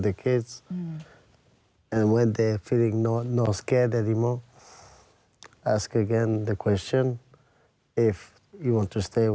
ฉันจะเธอรู้เพราะเราไม่สงสัย